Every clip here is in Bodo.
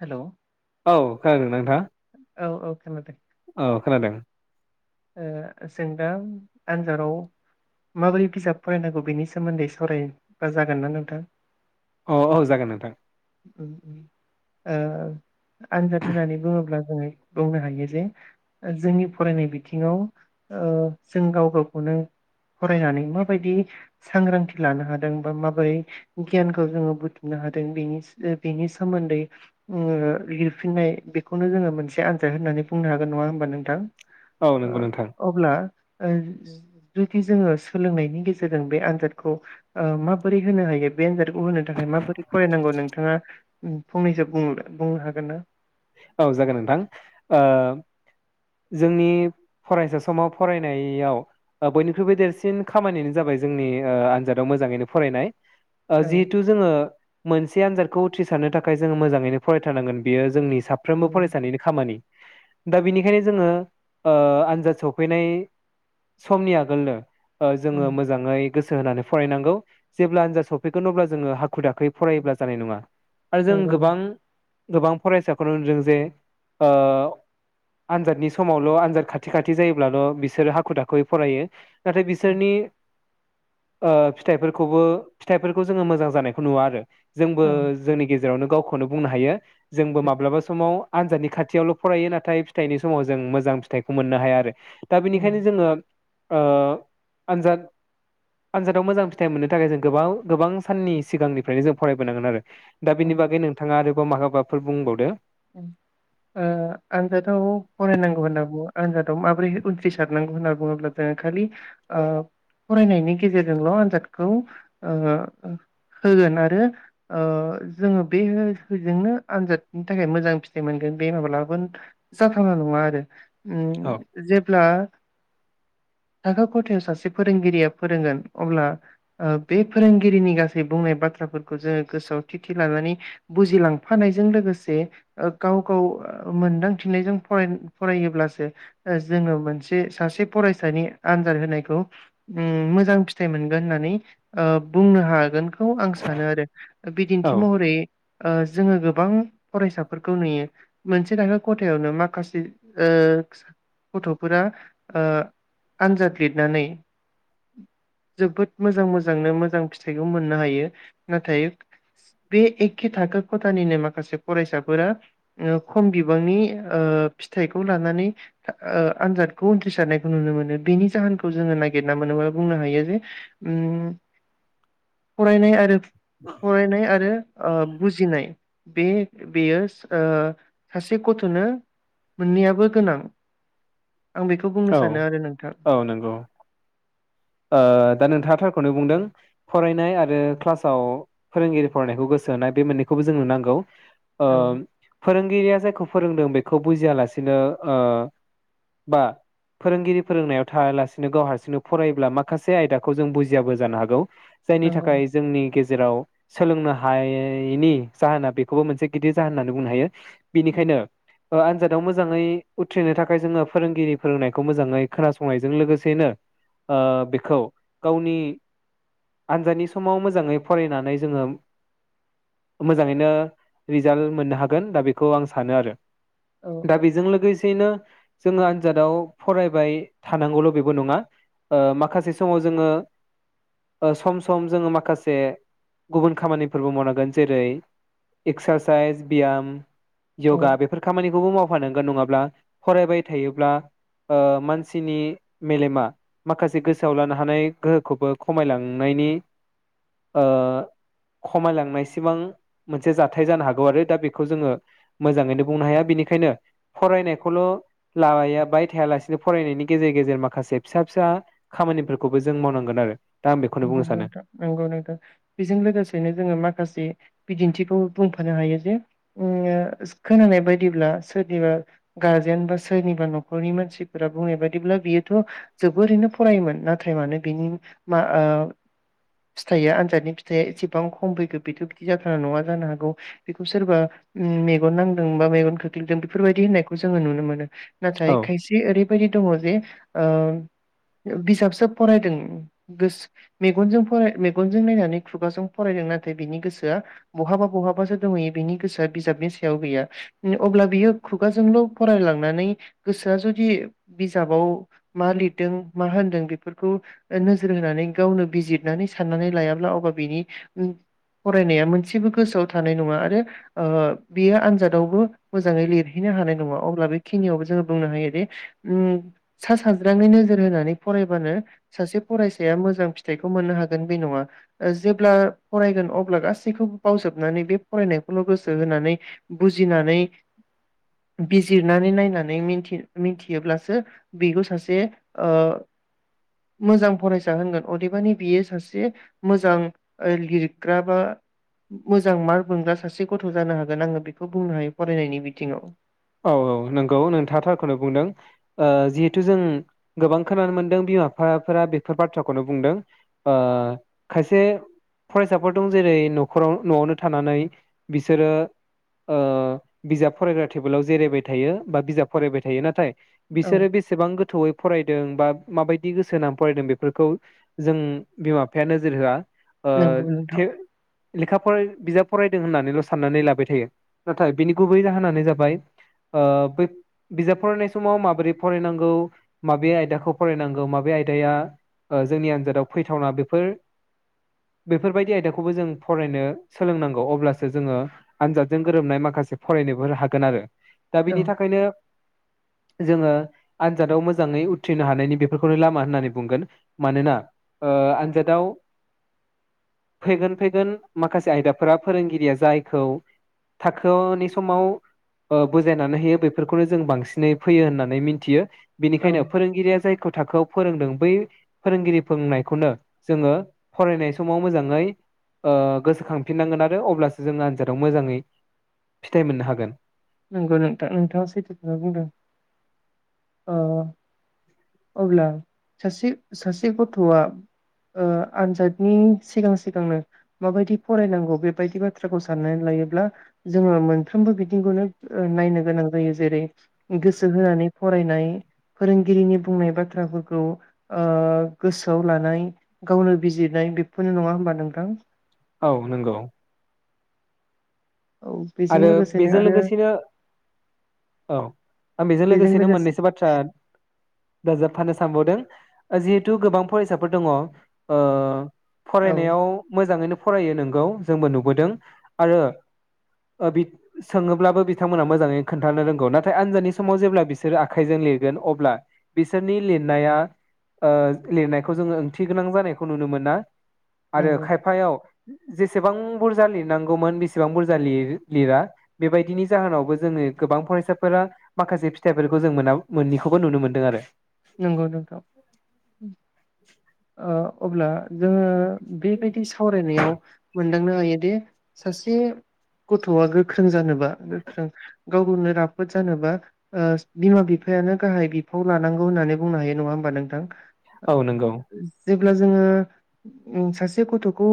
हेल' औ खोनादोंना नोंथाङा? औ औ खोनादों औ खोनादों। ओ जों दा आन्जादाव माबोरै बिजाब फरायनांगौ बेनि सोमोन्दै सावरायबा जागोन ना नोंथां? औ औ जागोन नोंथां। उम उम ओ ओ आनजाद होननानै बुङोब्ला जोङो बुंनो हायो जे जोंनि फरायनाय बि बिथिङाव ओ जों गाव गावखौनो फरायनानै माबायदि सांग्रांथि लानो हादों बा माबोरै गियानखौ जोङो बुथुमनो हादों बेनि बेनि ओ सोमोन्दै ओ लिरफिननाय बेखौनो जोङो मोनसे आनजाद होननानै बुंनो हागोन नङा होमबा नोंथां औ ओ नंगौ नोंथां अब्ला ओ जुदि जोङो सोलोंनायनि गेजेरजों बे आनजादखौ ओ माबोरै होनो हायो बे आनजादखौ होनो थाखाय माबोरै फरायनांगौ नोंथाङा फंनैसो बुं बुंनो हागोन ना औ जागोन नोंथां ओ जोंनि फरायसा समाव फरायनायाव बयनिख्रुइबो देरसिन खामानियानो जाबाय जोंनि ओ आनजादाव मोजाङैनो फरायनाय ओ औ जिहेथु जोङो मोनसे आनजादखौ उथ्रिसारनो थाखाय जोङो मोजाङैनो फरायथारनांगोन बियो जोंनि साफ्रोमबो औ फरायसानिनि खामानि दा बिनिखायनो जोङो ओ आनजाद सफैनाय समनि आगोलनो ओ जोङो उम मोजाङै गोसो होनानै फरायनांगौ जेब्ला आनजाद सफैगोन अब्ला जोङो हाखु दाखोयै फरायोब्ला जानाय नङा आरो जों नंगौ गोबां गोबां फरायसा खौनो होनजों जे ओ आनजादनि समावल' आनजाद खाथि खाथि जायोब्लाल' बिसोरो हाखु दाखुयै फरायो नाथाय बिसोरनि ओ फिथाइफोरखौबो फिथाइफोरखौ जोङो मोजां जानायखौ नुवा आरो जोंबो औ जोंनि गेजे गेजेरावनो गावखौनो बुंनो हायो जोंबो मा माब्लाबा समाव आनजादनि खाथियावल' फरायो नाथाय फिथाइनि समाव जों मोजां फिथाइखौ मोननो हाया आरो दा उम बेनिखायनो जोङो ओ आनजाद आनजादाव मोजां फिथाइ मोननो थाखाय जों गोबाव गोबां साननि सिगांनिफ्रायनो जों फरायबोनांगोन आरो दा बेनि उम बागै नोंथाङा आरो बो माखोबाफोर बुंबावदो उम ओ आनजादाव फरायनांगौ होनना बुङो आनजादाव माब्रै उथ्रिसारनांगौ होनना बुङोब्ला जोङो खालि ओ फरायनायनि गेजेरजोंल' आनजादखौ ओ होगोन आरो ओ जोङो बेजोंनो आनजादनि नि थाखाय मोजां फिथाइ मोनगोन बे माब्लाबाबो जाथावना नङा आरो औ उम जेब्ला थाखो खथायाव सासे फोरोंगिरिया फोरोंगोन अब्ला ओ बे फोरोंगिरिनि गासै बुंनाय बाथ्राफोरखौ जोङो गोसोआव थि थि लानानै बुजिलांफानायजों लोगोसे जे ओ गाव गाव मोनदांथिनायजों फरायो फरायोब्लासो जोङो मोनसे सासे फरायसानि आनजाद होनायखौ उम मोजां फिथाइ मोनगोन होननानै ओ बुंनो हागोन खौ आं सानो आरो औ बिदिन्थि महरै ओ जोङो गोबां फरायसाफोरखौ नुयो मोनसे थाखो खथायावनो माखासे ओ गथ'फोरा ओ आनजाद लिरनानै जोबोद मोजां मोजांनो मोजां फिथाइखौ मोननो हायो नाथाय बे एखे थाखो खथानिनो माखासे फरायसाफोरा ओ खम बिबांनि ओ फिथाइखौ लानानै ओ आनजादखौ उथ्रिसारनायखौ नुनो मोनो बेनि जाहोनखौ जोङो नागिरना मोनोबा बुंनो हायो जे उम फरायनाय आरो फरायनाय आरो ओ बुजिनाय बे बेयो ओ सासे गथ'नो मोननैयाबो गोनां आं बेखौ बुंनो सानो आरो नोंथां औ नंगौ ओ दा नोंथाङाथारखौनो बुंदों फरायनाय आरो क्लासाव फोरोंगिरि फरायनायखौ गोसो होनाय बे मोननैखौबो जोंनो नांगौ। अ औ फोरों फोरोंगिरिया जायखौ फोरोंदों बेखौ बुजिया लासिनो ओ बा फोरोंगिरि फोरोंनायाव थायालासिनो गाव हारसिंनो फराय अब्ला माखासे आयदाखौ जों बुजियाबो जानो हागौ जायनि नंगौ थाखाय जोंनि गेजेराव जेराव सोलोंनो हायैनि जाहोना बेखौबो मोनसे गिदिर जाहोन होननानै बुंनो हायो बेनिखायनो ओ आनजादाव मोजाङै उथ्रिनो थाखाय जोङो फोरोंगिरि फोरोंनायखौ मोजाङै खोनासंनायजों लोगोसेनो ओ बेखौ गावनि आनजादनि समाव मोजाङै फरायनानै जोङो मोजाङैनो रिजाल्ट मोननो हागोन दा बेखौ आं सानो आरो औ दा औ बेजों लोगोसेयैनो जोङो आनजादाव फरायबाय थानांगौल' बेबो नङा। ओ माखासे समाव जोङो सम सम जोङो माखासे गुबुन खामानिफोरबो मावनांगोन जेरै एक्सारसाइस बियाम औ यगा बेफोर खामानिखौबो माव होफानांगोन नङाब्ला फरायबाय थायोब्ला ओ मानसिनि मेलेमा माखासे गोसोआव लानो हानाय गोहोखौबो खमायलांनायनि ओ खमायलांनाय सिमां मोनसे जाथाय जानो हागौ आरो दा बेखौ जोङो मोजाङैनो बुंनो हाया बेनिखायनो फरायनायखौल' लायाबाय थायालासिनो फरायनायनि गेजेर गेजेर माखासे फिसा फिसा खामानिफोरखौबो जों मावनांगोन आरो दा आं बेखौनो बुंनो नंगौ सानो नोंथां नंगौ नोंथां बेजों लोगोसेनो जोङो माखासे बिदिन्थिखौ बुंफानो हायो जे उम खोनानाय बायदिब्ला सोरनिबा गारजेन बा सोरनिबा न'खरनि मानसिफोरा बुंनाय बायदिब्ला बियोथ' जोबोरैनो फरायोमोन नाथाय मानो बिनि मा ओ फिथाइया आनजादनि फिथाइया एसेबां खम फैगो बेथ' बिदि जाथारना नङा जानो हागौ बेखौ सोरबा मेगन नांदों बा मेगन खोख्लैदों बेफोरबायदि होननायखौ जोङो नुनो मोनो। नाथाय औ खायसे ओरै बेबायदि दङ जे ओ बिजाबसो फरायदों सो मेगनजों फ मेगनजों नायनानै खुगाजों फरायदों नाथाय बिनि गोसोआ बहाबा बहाबासो दंहैयो बिनि गोसोआ बिजाबनि सायाव गैया अब्ला बियो खुगाजोंल' फरायलांनानै गोसोआ जुदि बिजाबाव मा लिरदों मा होनदों बेफोरखौ नो नोजोर होनानै गावनो बिजिरनानै साननानै लायाब्ला अब्ला बिनि फरायनाया मोनसेबो गोसोआव थानाय नङा आरो ओ बेयो आनजादावबो मोजाङै लिरहैनो हानाय नङा अब्ला बेखिनियावबो जोङो बुंनो हायो दि उम सा साज्राङै नोजोर होनानै फरायबानो सासे फरायसाया मोजां फिथाइखौ मोननो हागोन बे नङा जेब्ला फरायगोन अब्ला गासैखौबो बावजोबनानै बे फरायनायखौल' गोसो होनानै बुजिनानै बिजिरनानै नायनानैथि मिथि मिथियोब्लासो बेखौ सासे ओ मोजां फरायसा होनगोन अदेबानि बियो सासे मोजां लिरग्रा बा मोजां मार्क मोनग्रा सासे गथ' जानो हागोन आङो बेखौ बुंनो हायो फरायनायनि बिथिङाव औ औ नंगौ नोंथाङाथारखौनो बुंदों ओ जिहेथु जों गोबां खोनानो मोनदों बिमा-बिफाफोरा बेफोर बाथ्राखौनो बुंदों ओ खायसे फरायसाफोर दं जेरै न'खराव न'आवनो थानानै बिसोरो ओ बिजाब फरायग्रा टेबोलाव जिरायबाय थायो बा बिजाब फरायबाय थायो नाथाय औ बिसोरो बेसेबां गोथौवै फरायदों बा माबायदि गोसो होनानै फरायदों बेफोरखौ जों बिमा बिफाया नोजोर होआ ओ नंगौ थे‌ नोंथां लेखा [unintelligible] बिजाब फरायदों होननानैल' साननानै लाबाय थायो नाथाय बिनि गुबै जाहोनानो जाबाय। [unintelligible] ओ बिजाब फरायनाय समाव माबोरै फरायनांगौ माबे आयदाखौ फरायनांगौ माबे आयदाया जोंनि आनजादाव फैथावना बे बेफोरबायदि आयदाखौबो जों फरायनो सोलोंनांगौ अब्लासो जोङो आनजादजों गोरोबनाय माखासे फरायनोबो हा गोन आरो दा औ बिनि थाखायनो जोङो आनजादाव मोजाङै उथ्रिनो हानायनि बेफोरखौनो लामा होननानै बुंगोन मानोना ओ आनजादाव फैगोन फैगोन माखासे आयदाफोरा फोरोंगिरिया जायखौ थाखोनि समाव ओ बुजायनानै होयो बेफोरखौनो जों बांसिनै फैयो होननानै मिथियो औ बेनिखायनो फोरोंगिरिया जाय थाखोआव फोरोंदों बै फोरोंगिरि फोरोंनायखौनो जोङो फरायनाय समाव मोजाङै ओ‌‌ गोसोखांफिननांगोन आरो अब्लासो जोङो आनजादाव मोजाङै फिथाइ मोननो हागोन। नंगौ नोंथां नोंथाङा सैथो खोथा बुंदों। अब्ला सासे सासे गथ'आ आनजादनि सिगां सिगांनो माबायदि फरायनांगौ बेबायदि बाथ्राखौ साननानै लायोब्ला जोङो मोनफ्रोमबो बिथिंखौनो नायनो गोनां जायो जेरै गोसो होनानै फरायनाय फोरोंगिरिनि बुंनाय बाथ्राफोरखौ ओ गोसोआव लानाय गावनो बिजिरनाय बेफोरनो नङा होमबा नोंथां औ नंगौ औ बेजों आरो लोगोसेनो बेजों आरो लोगोसेनो औ आं बेजों लोगोसेनो मोननैसो बाथ्रा दाजाबफानो सानबावदों जिहेथु गोबां फरायसाफोर दङ ओ औ फरायनायाव मोजाङैनो फरायो नोंगौ जोंबो नुबोदों आरो ओ सोङोब्लाबो बिथांमोनहा मोजाङै खोन्थानो रोंगौ नाथाय आनजादानि समाव जेब्ला बिसोरो आखाइजों लिरगोन अब्ला बिसोरनि लिरनाया लिरनायखौ जोङो ओंथि गोनां जानायखौ नुनो मोना। आरो नंगौ खायफायाव जेसेबां बुरजा लिरनांगौमोन बेसेबां बुरजा लिर लिरा बेबायदिनि जाहोनावबो जोङो गोबां फरायसाफोरा माखासे फिथाइफोरखौ जों मोना मोननैखौबो नुनो मोनदों आरो नोंगौ नोंथां ओ अब्ला जोङो बेबायदि सावरायनायाव [unintelligible] हायोदि सासे गथ'आ गोख्रों गोख्रों जानोबा गोख्रों गाव गावनो राफोद जानोबा ओ बिमा-बिफायानो गाहाय बिफाव लानांगौ। होननानै बुंनो हायो नङा होमबा नोंथां। औ नोंगौ अब्ला जोङो सासे गथ'खौ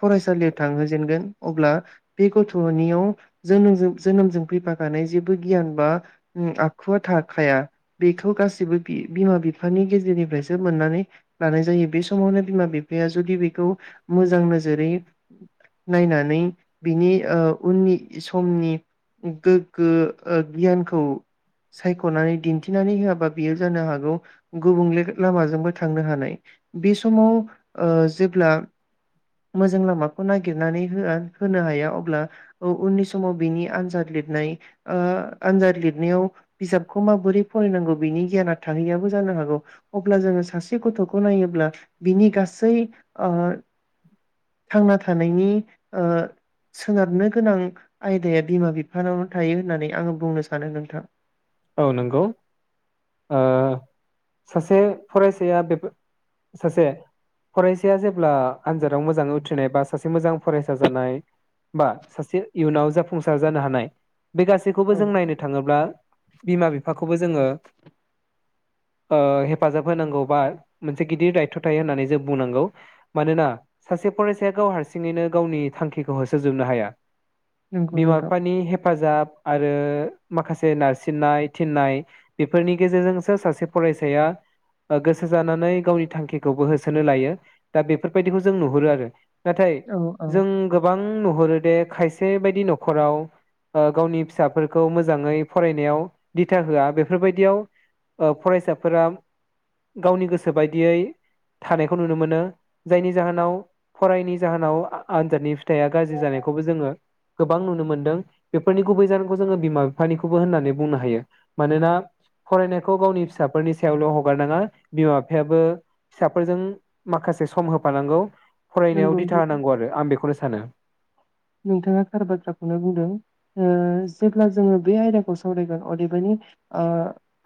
फरायसालियाव थांहोजेनगोन अब्ला बे गथ'नियाव जो-जोनोमजों फैफाखानाय जेबो गियान बा आखुवा थाखाया बेखौ बो बिमा बिफानि गेजेरनिफ्रायसो मोननानै लानाय जायो बे समावनो बिमा बिफाया जुदि बेखौ मोजां नोजोरै नायनानै बिनि ओ उननि समनि गोग्गो गियानखौ सायख'नानै दिन्थिनानै होआबा बेयो जानो हागौ गुबुंले लामाजोंबो थांनो हानाय बे समाव ओ जेब्ला मोजां लामाखौ नागिरनानै हो होनो हाया अब्ला उननि समाव बिनि आनजाद लिरनाय आनजाद लिरनायाव बिजाबखौ माबोरै फरायनांगौ बिनि गियाना थाहैयाबो जानो हागौ अब्ला जोङो सासे गथ'खौ नायोब्ला बिनि गासै ओ थांना थानायनि ओ सोनारनो गोनां आयदाया बिमा बिफानाव थायो। होननानै आङो बुंनो सानो नोंथां। औ नंगौ ओ सासे फरायसाया बे सासे फरायसाया जेब्ला आनजादाव मोजाङै उथ्रिनाय बा सासे मोजां फरायसा जानाय बा सासे इयुनाव जाफुंसार जानो हानाय बे गासै सैखौबो औ जों नायनो थाङोब्ला बिमा बिफाखौबो जोङो ओ हेफाजाब होनांगौ बा मोनसे गिदिर दायथ' थायो होननानै जों बुंनांगौ मानोना सासे फरायसाया गाव हारसिङैनो गावनि थांखिखौ होसोजोबनो हाया नंगौ बिमा नोंथां बिफानि हे हेफाजाब आरो माखासे नारसिननाय थिन्नाय बेफोरनि गेजेरजोंसो सासे फरायसाया गोसो जानानै गावनि थांखिखौबो होसोनो लायो दा बेफोरबायदिखौ जों नुहुरो आरो नाथाय औ औ जों गोबां नुहुरो दे खायसे बायदि न'खराव गावनि फिसाफोरखौ मोजाङै फरायनायाव दिथा होआ बेफोरबायदियाव फरायसाफोरा गावनि गोसो बायदियै थानायखौ नुनो मोनो जायनि जाहोनाव फरायनि जाहोनाव आनजादनि फिथाइआ गाज्रि जानायखौबो जोङो गोबां नुनो मोनदों बेफोरनि गुबै जा जोङो बिमा बिफानिखौबो होननानै बुंनो हायो मानोना फरायनायखौ गावनि फिसाफोरनि सायावल' हगारनाङा बिमा बिफायाबो फिसाफोरजों माखासे सम होफानांगौ। फरायनायाव नंगौ दिथा होनांगौ आरो आं बेखौनो सानो। नोंथाङा थार बाथ्राखौनो बुंदों ओ जेब्ला जोङो बे आयदाखौ सावरायगोन अदेबानि ओ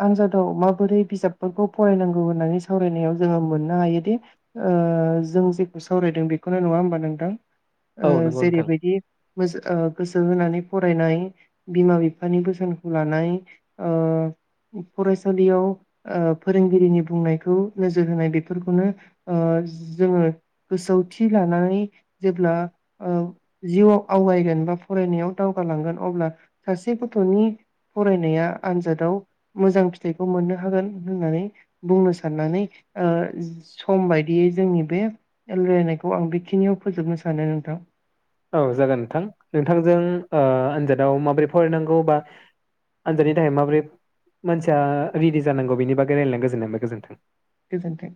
आनजादाव माबोरै बिजाबफोरखौ फरायनांगौ होननानै सावरायनायाव जोङो मोननो हायोदि ओ जों जेखौ सावरायदों बेखौनो नङा होमबा नोंथां ओ औ नंगौ नोंथां। जेरैबाय ओ गोसो होनानै फरायनाय बिमा बिफानि बोसोनखौ लानाय ओ फरायसालियाव ओ फोरोंगिरिनि बुंनायखौ नोजोर होनाय बेफोरखौनो ओ जोङो गोसोआवथि लानानै जेब्ला ओ जिउआव आवगायगोन बा फरायनायाव दावगालांगोन अब्ला सासे गथ'नि फरायनाया आनजादाव मोजां फिथाइखौ मोननो हागोन होननानै बुंनो साननानै ओ सम बायदियै जोंनि बे रायलायनायखौ आं बेखिनियाव फोजोबनो सानो नोंथां औ जागोन नोंथां नोंथांजों ओ आनजादाव माबोरै फरायनांगौ बा आनजादनि थाखाय माबोरै मानसिया रेडि जानांगौ बेनि बागै रायलायनाय गोजोननाय मोनबाय गोजोन्थों गोजोनथों